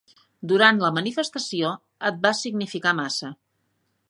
Durant la manifestació et vas significar massa.